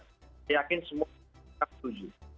saya yakin semua setuju